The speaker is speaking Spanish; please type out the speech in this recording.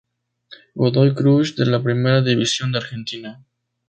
Godoy Cruz de la Primera División de Argentina